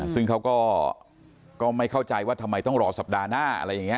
ซึ่งเขาก็ไม่เข้าใจว่าทำไมต้องรอสัปดาห์หน้า